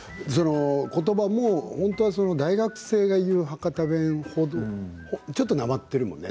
言葉も本当は大学生が言う博多弁ちょっとなまっているよね。